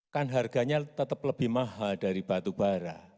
kan harganya tetap lebih mahal dari batu bara